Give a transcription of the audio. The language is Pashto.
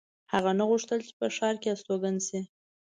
هغه نه غوښتل چې په ښار کې استوګن شي